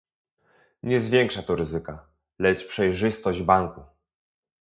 Nie zwiększa to ryzyka, lecz przejrzystość banku